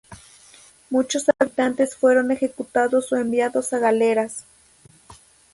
Muchos habitantes fueron ejecutados o enviados a galeras.